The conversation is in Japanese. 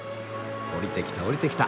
下りてきた下りてきた。